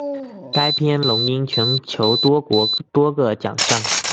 该片荣膺全球多国多个奖项。